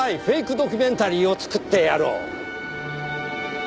ドキュメンタリーを作ってやろう。